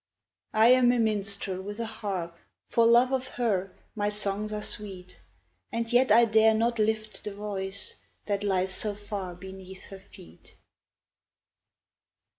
I am a minstrel with a harp, For love of her my songs are sweet, And yet I dare not lift the voice That lies so far beneath her feet.